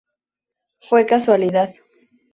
Fue casualidad.